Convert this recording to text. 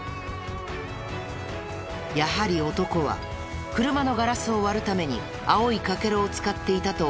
やはり男は車のガラスを割るために青い欠片を使っていたと語った。